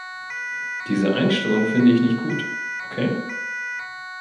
Diese Einstellung finde ich nicht gut, okay?